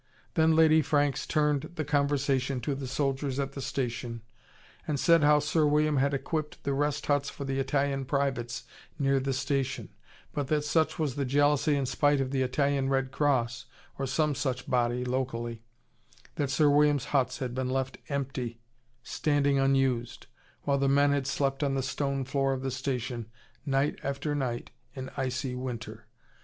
Then Lady Franks turned the conversation to the soldiers at the station, and said how Sir William had equipped rest huts for the Italian privates, near the station: but that such was the jealousy and spite of the Italian Red Cross or some such body, locally that Sir William's huts had been left empty standing unused while the men had slept on the stone floor of the station, night after night, in icy winter.